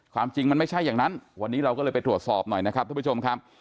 ความจริงมันไม่ใช่อย่างนั้นวันนี้เราก็เลยไปตรวจสอบหน่อยนะครับท่านผู้ชมครับ